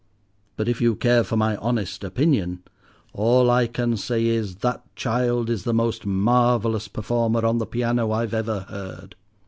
But if you care for my honest opinion, all I can say is, that child is the most marvellous performer on the piano I've ever heard.